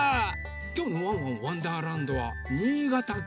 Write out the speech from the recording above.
きょうの「ワンワンわんだーらんど」は新潟県！